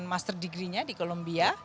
master degree nya di columbia